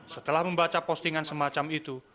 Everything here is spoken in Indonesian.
setelah membaca postingan semacam itu